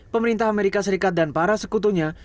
pemerintah amerika serikat dan para sekutunya